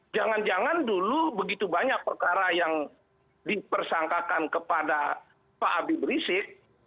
jangan jangan dulu begitu banyak perkara yang dipersangkakan kepada pak habib rizik